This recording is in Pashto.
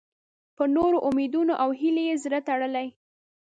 په نورو امیدونو او هیلو یې زړه تړلی.